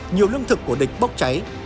nhiều lương thực của địch bốc cháy